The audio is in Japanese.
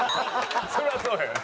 そりゃそうよね。